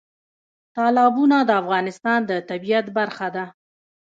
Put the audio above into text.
تالابونه د افغانستان د طبیعت برخه ده.